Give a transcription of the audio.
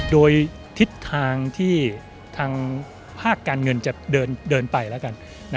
โดยทิศทางที่ทางภาคการเงินจะเดินไปแล้วกัน